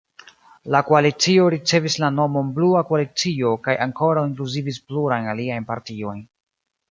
La koalicio ricevis la nomon "Blua Koalicio" kaj ankoraŭ inkluzivis plurajn aliajn partiojn.